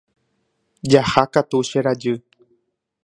Jahákatu che rajy.